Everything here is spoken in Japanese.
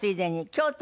京都。